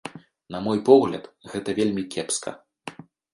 На мой погляд, гэта вельмі кепска.